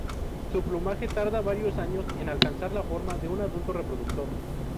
Su plumaje tarda varios años en alcanzar la forma de un adulto reproductor.